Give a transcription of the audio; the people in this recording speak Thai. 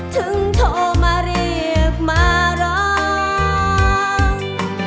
ถึงโทรมาเรียกมาร้อง